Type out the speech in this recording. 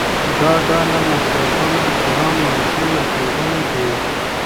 دا ډله مکروبونه ګرام منفي مکروبونه دي.